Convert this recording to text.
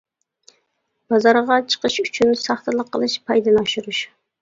بازارغا چىقىش ئۈچۈن ساختىلىق قىلىش، پايدىنى ئاشۇرۇش.